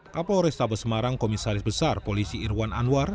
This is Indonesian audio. kapol restabes semarang komisaris besar polisi irwan anwar